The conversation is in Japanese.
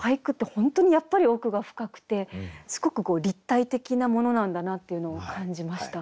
本当にやっぱり奥が深くてすごく立体的なものなんだなっていうのを感じました。